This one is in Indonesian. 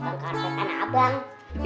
bangkarset anak abang